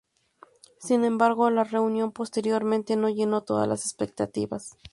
Sin embargo, la reunión posteriormente no llenó todas las expectativas.